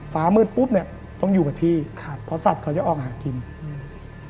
ฟ้ามืดปุ๊บเนี้ยต้องอยู่กับที่ครับเพราะสัตว์เขาจะออกหากินอืม